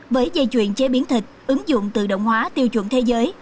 với dây chuyển chế biến thịt ứng dụng tự động hóa tiêu chuẩn thế giới